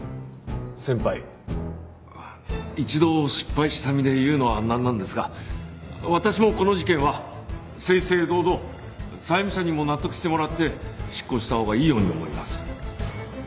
先輩一度失敗した身で言うのはなんなんですが私もこの事件は正々堂々債務者にも納得してもらって執行したほうがいいように思います。